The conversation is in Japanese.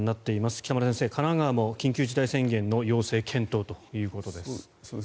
北村先生、神奈川も緊急事態宣言の要請検討ということです。